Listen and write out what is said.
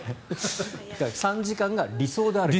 ３時間が理想である。